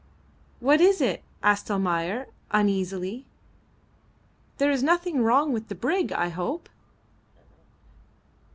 "What is it?" asked Almayer, uneasily. "There is nothing wrong with the brig, I hope?"